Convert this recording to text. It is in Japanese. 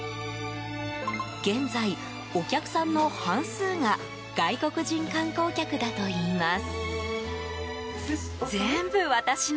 現在、お客さんの半数が外国人観光客だといいます。